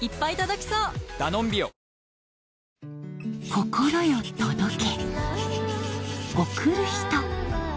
心よ届け